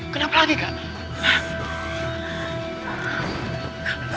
kenapa lagi kak